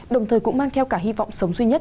đồng thời cũng mang theo cả hy vọng sống duy nhất